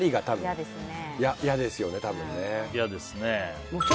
いやですよね、多分。